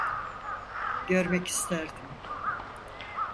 Görmek isterdim.